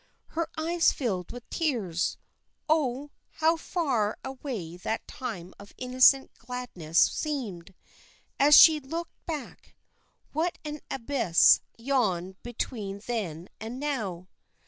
Her eyes filled with tears. Oh, how far away that time of innocent gladness seemed, as she looked back! What an abyss yawned between then and now.